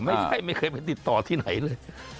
ไม่ใช่ไม่เคยไปติดต่อที่ไหนเลย